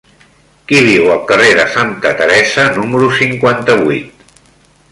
Qui viu al carrer de Santa Teresa número cinquanta-vuit?